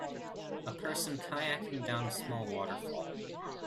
A person kayaking down a small waterfall.